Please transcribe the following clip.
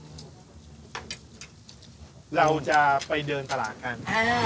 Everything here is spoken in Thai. เราจะไปเดินตลาดกัน